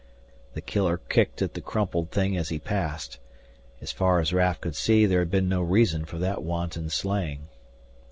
The killer kicked at the crumpled thing as he passed. As far as Raf could see there had been no reason for that wanton slaying.